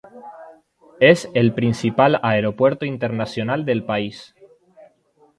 Es el principal aeropuerto internacional del país.